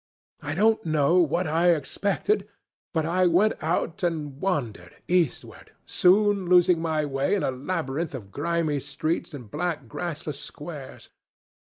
I don't know what I expected, but I went out and wandered eastward, soon losing my way in a labyrinth of grimy streets and black grassless squares.